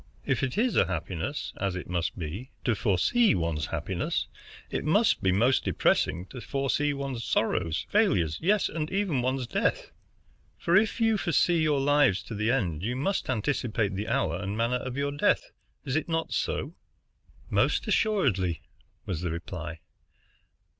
If it is a happiness, as it must be, to foresee one's happiness, it must be most depressing to foresee one's sorrows, failures, yes, and even one's death. For if you foresee your lives to the end, you must anticipate the hour and manner of your death, is it not so?" "Most assuredly," was the reply.